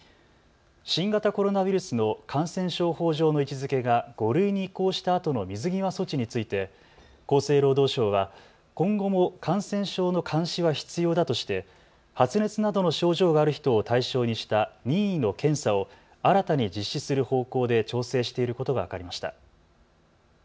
新型コロナウイルスの感染症法上の位置づけが５類に移行したあとの水際措置について厚生労働省は今後も感染症の監視は必要だとして発熱などの症状がある人を対象にした任意の検査を新たに実施する方向で調整していることが分かりました。